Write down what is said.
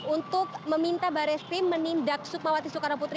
untuk meminta barreskrim menindak soekmawati soekarno putri